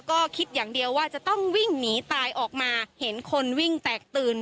ก็คิดอย่างเดียวว่าจะต้องวิ่งหนีตายออกมาเห็นคนวิ่งแตกตื่น